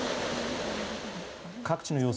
各地の様子